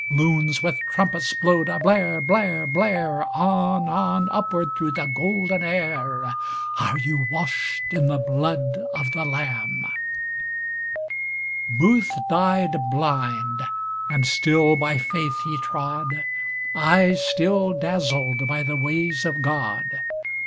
Loons with trumpets blowed a blare, blare, blare, On, on upward thro' the golden air!(Are you washed in the blood of the Lamb?)II(Bass drum slower and softer)Booth died blind and still by Faith he trod, Eyes still dazzled by the ways of God.